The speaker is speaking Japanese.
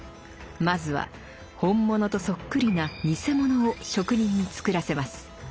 まずは本物とそっくりな偽物を職人に作らせます。